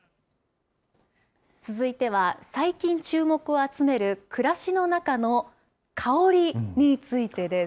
続いては、最近注目を集める、暮らしの中の香りについてです。